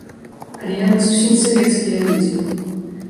Але яны зусім савецкія людзі.